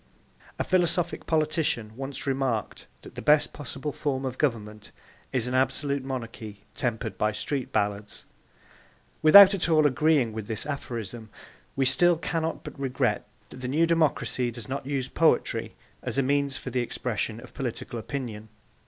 A philosophic politician once remarked that the best possible form of government is an absolute monarchy tempered by street ballads. Without at all agreeing with this aphorism we still cannot but regret that the new democracy does not use poetry as a means for the expression of political opinion.